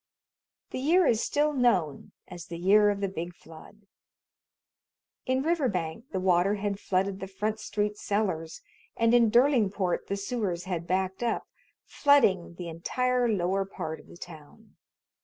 The year is still known as the "year of the big flood." In Riverbank the water had flooded the Front Street cellars, and in Derlingport the sewers had backed up, flooding the entire lower part of the town.